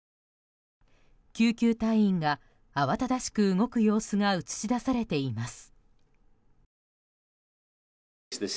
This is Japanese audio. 救急隊員が慌ただしく動く様子が映し出されています。